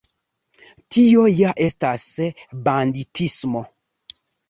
Tio ja estas banditismo!